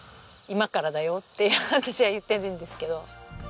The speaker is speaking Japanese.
「今からだよ」って私は言ってるんですけど。